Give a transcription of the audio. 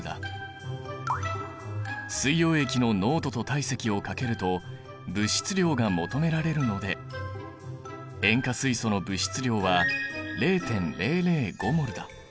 水溶液の濃度と体積を掛けると物質量が求められるので塩化水素の物質量は０．００５ｍｏｌだ。